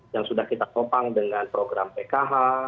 yang sudah kita topang dengan program pkh